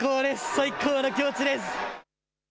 最高の気持ちです。